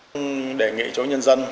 tôi đề nghị cho nhân dân